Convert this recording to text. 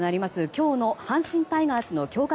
今日の阪神タイガースとの強化